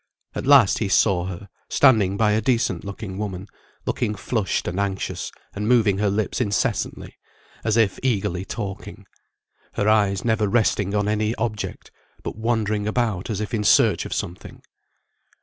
At last he saw her, standing by a decent looking woman, looking flushed and anxious, and moving her lips incessantly, as if eagerly talking; her eyes never resting on any object, but wandering about as if in search of something.